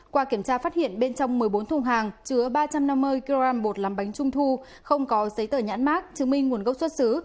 qua kiểm tra phát hiện bên trong một mươi bốn thùng hàng chứa ba trăm năm mươi kg bột làm bánh trung thu không có giấy tờ nhãn mát chứng minh nguồn gốc xuất xứ